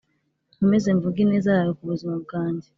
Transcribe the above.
Nkomeze mvuge ineza yawe ku buzima bwanjye